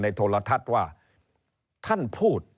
เริ่มตั้งแต่หาเสียงสมัครลง